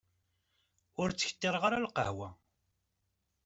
Ur ttkettireɣ ara lqahwa.